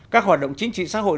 các hoạt động chính trị xã hội